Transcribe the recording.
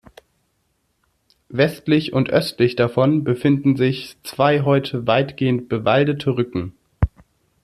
Westlich und östlich davon befinden sich zwei heute weitgehend bewaldete Rücken.